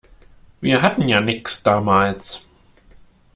Wir hatten ja nix, damals.